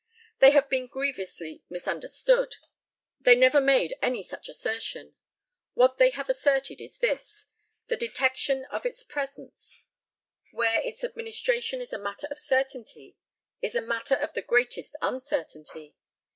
They have been grievously misunderstood. They never made any such assertion. What they have asserted is this the detection of its presence, where its administration is a matter of certainty, is a matter of the greatest uncertainty.